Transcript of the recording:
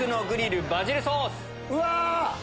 うわ！